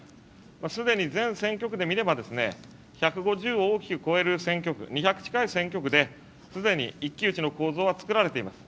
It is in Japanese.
すでに全選挙区で見れば、１５０を大きく超える選挙区、２００近い選挙区で、すでに一騎打ちの構図は作られています。